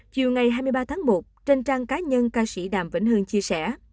chiều ngày hai mươi ba tháng một trên trang cá nhân ca sĩ đàm vĩnh hưng chia sẻ